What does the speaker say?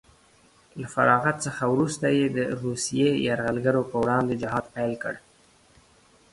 له فراغت څخه وروسته یې د روسیې یرغلګرو په وړاندې جهاد پیل کړ